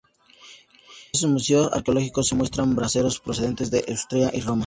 En diversos museos arqueológicos, se muestran braseros procedentes de Etruria y Roma.